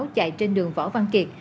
chạy trên đường võ văn kiệt